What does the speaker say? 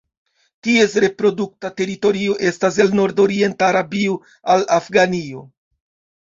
Ties reprodukta teritorio estas el nordorienta Arabio al Afganio.